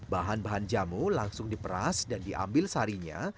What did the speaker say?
bahan bahan jamu langsung diperas dan diambil sarinya